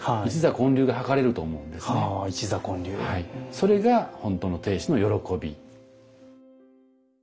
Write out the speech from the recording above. それが本当の亭主の喜び。